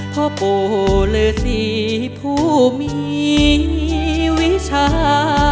พ่อโปเลอศีผู้มีวิชา